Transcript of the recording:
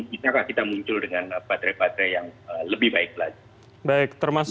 bisakah kita muncul dengan baterai baterai yang lebih baik lagi